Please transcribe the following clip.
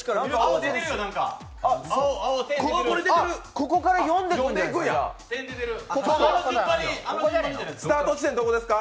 ここから読んでいくんじゃないですか。